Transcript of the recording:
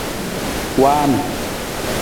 Waan.